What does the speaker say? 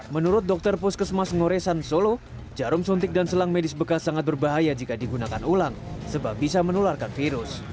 menurut dokter puskesmas ngoresan solo jarum suntik dan selang medis bekas sangat berbahaya jika digunakan ulang sebab bisa menularkan virus